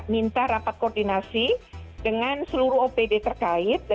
minta rapat koordinasi dengan seluruh opd terkait